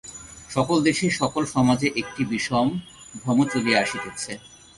সকল দেশেই, সকল সমাজেই একটি বিষম ভ্রম চলিয়া আসিতেছে।